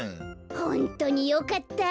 ホントによかった。